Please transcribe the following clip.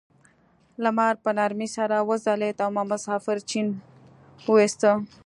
لمر په نرمۍ سره وځلید او مسافر چپن وویسته.